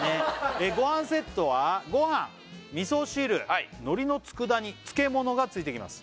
「ごはんセットはごはんみそ汁海苔のつくだ煮」「漬物がついてきます」